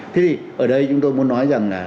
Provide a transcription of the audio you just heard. thì ở đây chúng tôi muốn nói rằng là